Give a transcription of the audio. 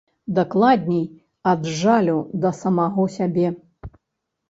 Дакладней, ад жалю да самога сябе.